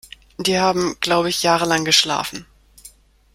Die haben, glaube ich, jahrelang geschlafen.